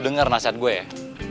lo denger nasihat gue ya